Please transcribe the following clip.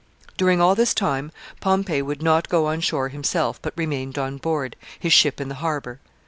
During all this time Pompey would not go on shore himself, but remained on board, his ship in the harbor.